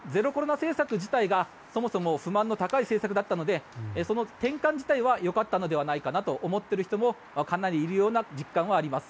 政策自体がそもそも不満の高い政策だったのでその転換自体はよかったのではないかと思っている人もかなりいるような実感はあります。